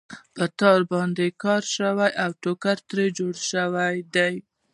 په تار باندې کار شوی او ټوکر ترې جوړ شوی دی.